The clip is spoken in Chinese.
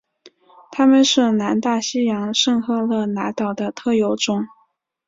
它们是南大西洋圣赫勒拿岛的特有种。